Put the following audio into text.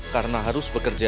karena harus berkumpul